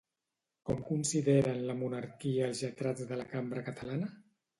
Com consideren la monarquia els lletrats de la cambra catalana?